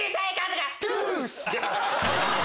トゥース！